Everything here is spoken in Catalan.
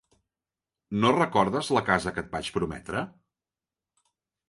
No recordes la casa que et vaig prometre?